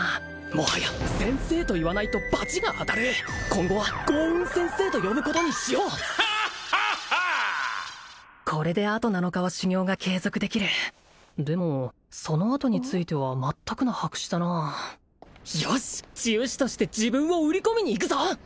もはや先生と言わないとバチが当たる今後は豪運先生と呼ぶことにしようこれであと７日は修行が継続できるでもそのあとについては全くの白紙だなよし治癒士として自分を売り込みに行くぞ！